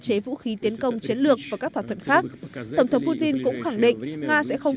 chế vũ khí tiến công chiến lược và các thỏa thuận khác tổng thống putin cũng khẳng định nga sẽ không